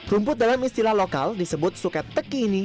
rumput dalam istilah lokal disebut suket teki ini